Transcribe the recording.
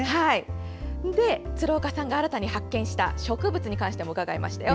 鶴岡さんが新たに発見した植物に関しても伺いましたよ。